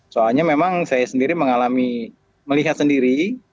soalnya memang saya sendiri mengalami melihat sendiri